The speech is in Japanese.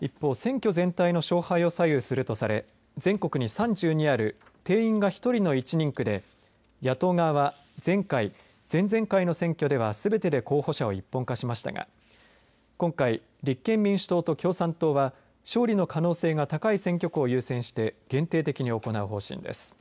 一方選挙全体の勝敗を左右するとされ全国に３２ある定員が１人の１人区で野党側は前回、前々回の選挙ではすべてで候補者を一本化しましたが今回、立憲民主党と共産党は勝利の可能性が高い選挙区を優先して限定的に行う方針です。